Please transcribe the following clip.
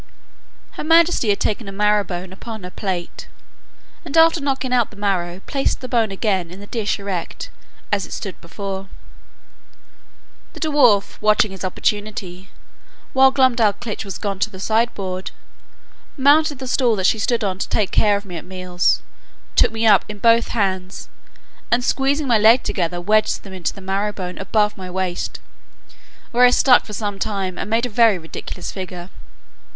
Her majesty had taken a marrow bone upon her plate, and, after knocking out the marrow, placed the bone again in the dish erect, as it stood before; the dwarf, watching his opportunity, while Glumdalclitch was gone to the side board, mounted the stool that she stood on to take care of me at meals, took me up in both hands, and squeezing my legs together, wedged them into the marrow bone above my waist, where I stuck for some time, and made a very ridiculous figure.